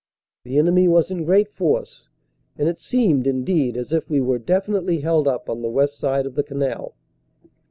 The enemy was in great force, and it seemed, indeed, as if we were definitely held up on the west side of the canal.